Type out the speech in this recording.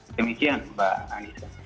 demikian mbak anissa